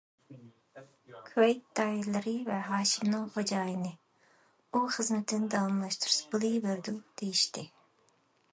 كۇۋەيت دائىرىلىرى ۋە ھاشىمنىڭ خوجايىنى: ئۇ خىزمىتىنى داۋاملاشتۇرسا بولۇۋېرىدۇ دېيىشتى.